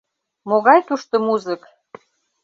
Могай тушто музык!